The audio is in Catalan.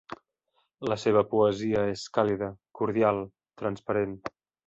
La seva poesia és càlida, cordial, transparent.